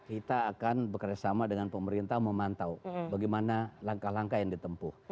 kita akan bekerjasama dengan pemerintah memantau bagaimana langkah langkah yang ditempuh